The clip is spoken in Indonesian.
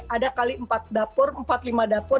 ada kali empat lima dapur